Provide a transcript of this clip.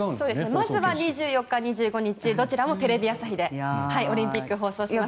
まずは２４日２５日どちらもテレビ朝日でオリンピックを放送します。